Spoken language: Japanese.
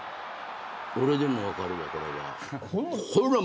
俺でも分かる、これは。